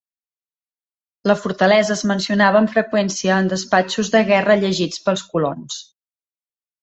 La fortalesa es mencionava amb freqüència en despatxos de guerra llegits pels colons.